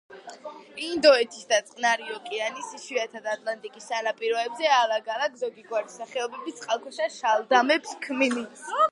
ინდოეთის და წყნარი ოკეანის, იშვიათად ატლანტიკის სანაპიროებზე ალაგ-ალაგ ზოგი გვარის სახეობები წყალქვეშა შალდამებს ქმნის.